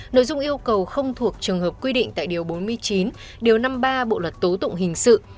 nội dung yêu cầu không thuộc trường hợp quy định tại điều bốn mươi chín điều năm mươi ba bộ luật tố tụng hình sự